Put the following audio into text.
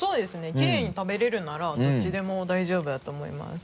キレイに食べれるならどっちでも大丈夫だと思います。